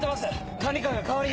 管理官が代わりに！